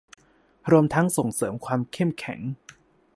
รวมทั้งส่งเสริมความเข้มแข็ง